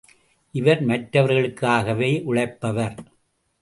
இவர் மற்றவர்களுக்காகவே உழைப்பவர்.